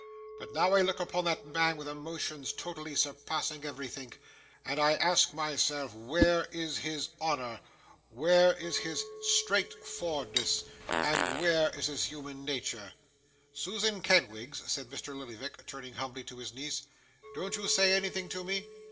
But, now, I look upon that man with emotions totally surpassing everythink, and I ask myself where is his Honour, where is his straight for'ardness, and where is his human natur?' 'Susan Kenwigs,' said Mr. Lillyvick, turning humbly to his niece, 'don't you say anything to me?